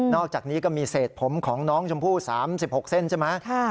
อกจากนี้ก็มีเศษผมของน้องชมพู่๓๖เส้นใช่ไหม